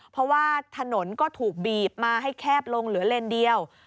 เพราะว่าถนนก็ถูกบีบมาให้แคบลงเหลือเลนเดียว